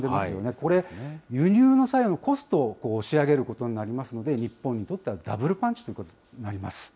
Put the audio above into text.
これ、輸入の際のコストを押し上げることになりますので、日本にとってはダブルパンチということになります。